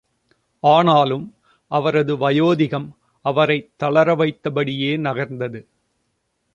ஆனாலும், அவரது வயோதிகம் அவரைத் தளர வைத்த படியே நகர்ந்தது.